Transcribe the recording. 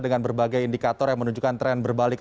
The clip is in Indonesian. dengan berbagai indikator yang menunjukkan tren berbalik